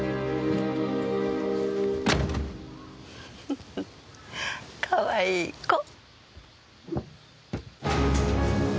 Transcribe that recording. フフかわいい子。